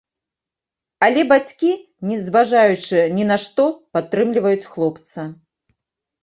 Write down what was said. Але бацькі, не зважаючы ні на што, падтрымліваюць хлопца.